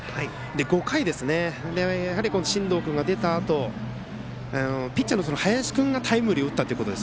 ５回、進藤君が出たあとピッチャーの林君がタイムリーを打った。